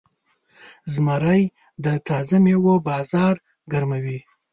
زمری د تازه میوو بازار ګرموي.